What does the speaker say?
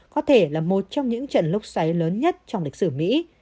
có thể là một trong những trận lốc xoáy lớn nhất trong lịch sử mỹ